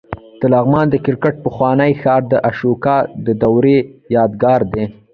د لغمان د کرکټ پخوانی ښار د اشوکا د دورې یادګار دی